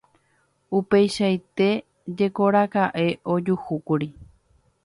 Upeichaite jekorakaʼe ojehúkuri.